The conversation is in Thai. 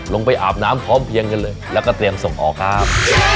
ไปอาบน้ำพร้อมเพียงกันเลยแล้วก็เตรียมส่งออกครับ